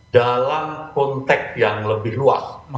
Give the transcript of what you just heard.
dalam konteks yang lebih luas